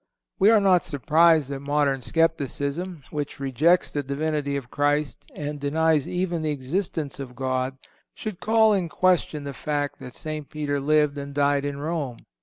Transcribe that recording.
We are not surprised that modern skepticism, which rejects the Divinity of Christ and denies even the existence of God, should call in question the fact that St. Peter lived and died in Rome.